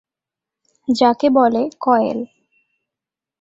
যাকে বলে কয়েল।